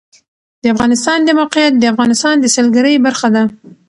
د افغانستان د موقعیت د افغانستان د سیلګرۍ برخه ده.